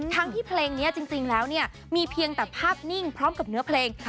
ทั้งที่เพลงนี้จริงแล้วเนี่ยมีเพียงแต่ภาพนิ่งพร้อมกับเนื้อเพลง